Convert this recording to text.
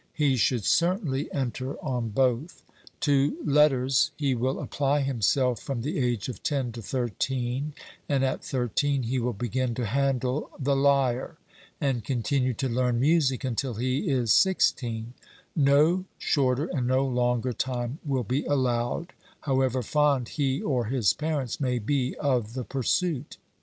He should certainly enter on both: to letters he will apply himself from the age of ten to thirteen, and at thirteen he will begin to handle the lyre, and continue to learn music until he is sixteen; no shorter and no longer time will be allowed, however fond he or his parents may be of the pursuit.